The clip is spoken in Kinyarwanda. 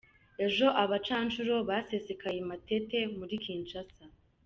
Ejo abancanshuro basesekaye I Matete muri Kinshasa